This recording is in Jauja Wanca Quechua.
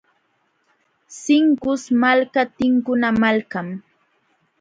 Sinkus malka tinkuna malkam.